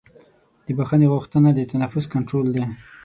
د بښنې غوښتنه د نفس کنټرول دی.